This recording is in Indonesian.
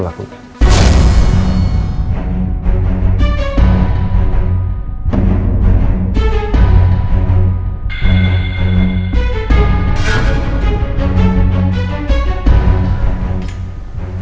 bahkan terakhir aku bicara dengan andi pun